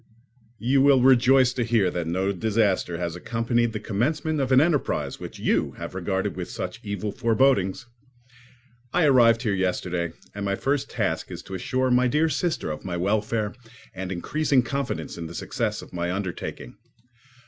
You will rejoice to hear that no disaster has accompanied the commencement of an enterprise which you have regarded with such evil forebodings. I arrived here yesterday, and my first task is to assure my dear sister of my welfare and increasing confidence in the success of my undertaking.